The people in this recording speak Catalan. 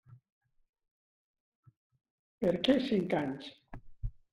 Per què cinc anys?